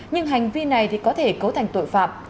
nhưng hành vi này có thể cấu thành tội phạm